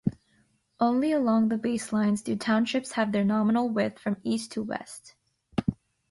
Only along the baselines do townships have their nominal width from east to west.